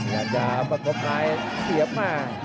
อยากจะประกบซ้ายเสียบมา